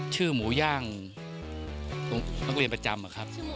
ชื่อหมูย่างตั้งแต่อยู่โรงเรียนประจำ